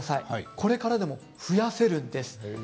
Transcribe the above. これからでも増やせるんです。